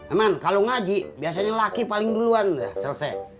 emang kalau ngaji biasanya laki paling duluan selesai